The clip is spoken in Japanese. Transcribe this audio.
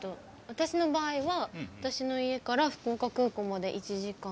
私の場合は私の家から福岡空港まで１時間。